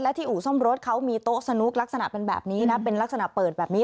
ที่อู่ซ่อมรถเขามีโต๊ะสนุกลักษณะเป็นแบบนี้นะเป็นลักษณะเปิดแบบนี้